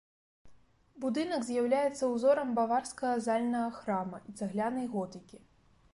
Будынак з'яўляецца ўзорам баварскага зальнага храма і цаглянай готыкі.